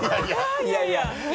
いやいや